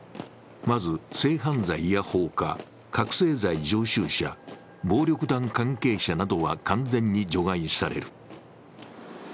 まず、性犯罪や放火、覚醒剤常習者、暴力団関係者などは完全に除外される。